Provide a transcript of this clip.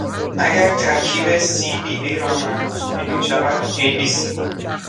اگر ترتیب c b a را معکوس کنیم میشود a b c.